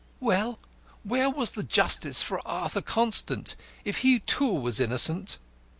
"Well, where was the justice for Arthur Constant if he, too, was innocent?"